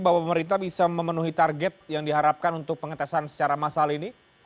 bahwa pemerintah bisa memenuhi target yang diharapkan untuk pengetesan secara massal ini